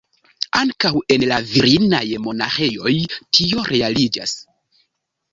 Ankaŭ en la virinaj monaĥejoj tio realiĝas.